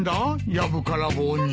やぶから棒に。